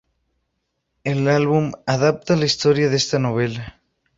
El álbum adapta la historia de esta novela.